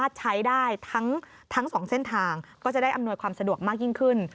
ถ้าใช้ได้ทั้งสองเส้นทางก็จะได้อำนวยความสะดวกมากยิ่งขึ้น